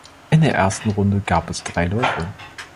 In der ersten Runde gab es drei Läufe.